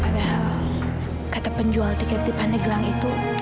padahal kata penjual tiket di pandeglang itu